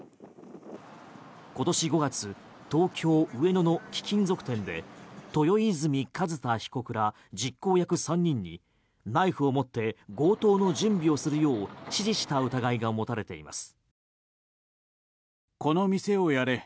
今年５月東京・上野の貴金属店で豊泉寿太被告ら実行役３人にナイフを持って強盗の準備をするよう指示した疑いが持たれています。